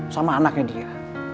sama anaknya dia